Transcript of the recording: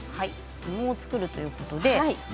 ひもを作るということで。